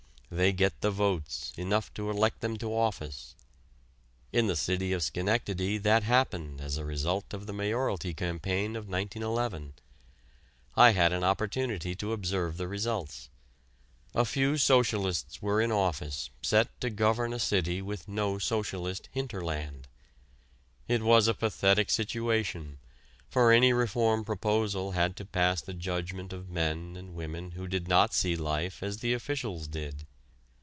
They get the votes, enough to elect them to office. In the City of Schenectady that happened as a result of the mayoralty campaign of 1911. I had an opportunity to observe the results. A few Socialists were in office set to govern a city with no Socialist "hinterland." It was a pathetic situation, for any reform proposal had to pass the judgment of men and women who did not see life as the officials did.